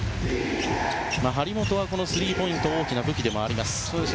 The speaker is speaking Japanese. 張本はスリーポイントが大きな武器でもあります。